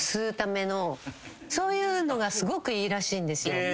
そういうのがすごくいいらしいんですよ。